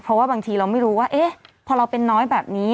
เพราะว่าบางทีเราไม่รู้ว่าพอเราเป็นน้อยแบบนี้